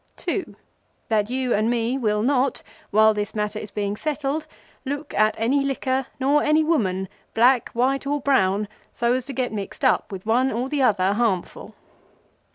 (Two) That you and me will not while this matter is being settled, look at any Liquor, nor any Woman black, white or brown, so as to get mixed up with one or the other harmful.